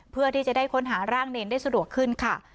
เพื่อที่จะได้ค้นหาร่างเนรได้สะดวกขึ้นค่ะ